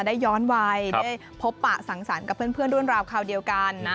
ได้ย้อนวัยได้พบปะสังสรรค์กับเพื่อนรุ่นราวคราวเดียวกันนะ